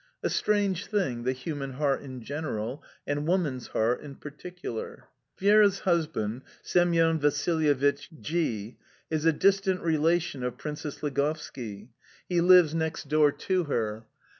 A strange thing, the human heart in general, and woman's heart in particular. Vera's husband, Semyon Vasilevich G v, is a distant relation of Princess Ligovski. He lives next door to her.